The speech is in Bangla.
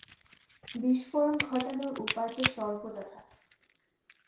বিস্ফোরন ঘটানোর উপায় তো সর্বদা থাকে।